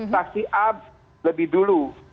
saksi a lebih dulu